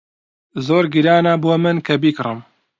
زۆر گرانە بۆ من کە بیکڕم.